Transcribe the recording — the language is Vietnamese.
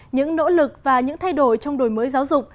những nỗ lực và những thay đổi trong đổi mới giáo dục